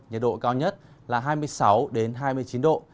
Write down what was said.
nhiệt độ cao nhất là hai mươi sáu hai mươi chín độ